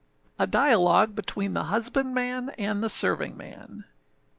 A DIALOGUE BETWEEN THE HUSBANDMAN AND THE SERVINGMAN.